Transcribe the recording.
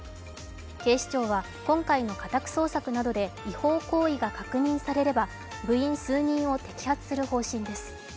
警視庁は今回の家宅捜索などで違法行為が確認されれば部員数人を摘発する方針です。